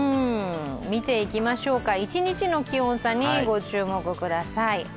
見ていきましょうか、一日の気温差にご注目ください。